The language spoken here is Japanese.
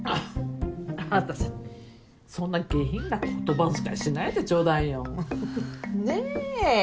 あんたそんな下品な言葉遣いしないでちょうだいよ。ねぇ？